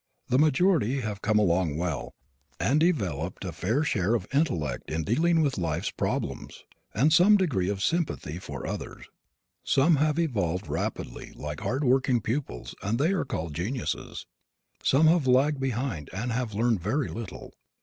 The majority have come along well and developed a fair share of intellect in dealing with life's problems, and some degree of sympathy for others. Some have evolved rapidly like hard working pupils and they are called geniuses. Some have lagged behind and have learned very little.